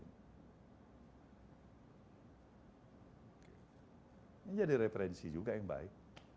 ini jadi referensi juga yang baik